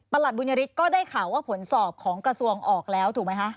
ประหลัดบุญริตรก็ได้ข่าวว่าผลสอบของกระทรวงออกแล้ว